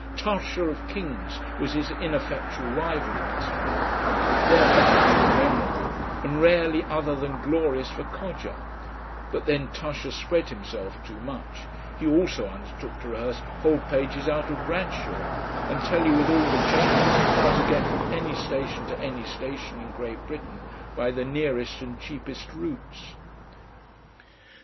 Tusher of King's was his ineffectual rival in this field, their bouts were memorable and rarely other than glorious for Codger; but then Tusher spread himself too much, he also undertook to rehearse whole pages out of Bradshaw, and tell you with all the changes how to get from any station to any station in Great Britain by the nearest and cheapest routes....